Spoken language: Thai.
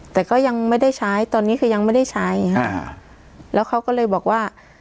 แต่ก็ยังไม่ได้ใช้ตอนนี้คือยังไม่ได้ใช้ค่ะอ่าแล้วเขาก็เลยบอกว่า